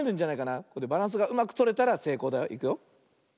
バランスがうまくとれたらせいこうだよ。いくよ。